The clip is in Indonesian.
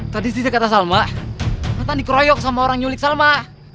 tadi sih kata salma bahkan dikeroyok sama orang nyulik salma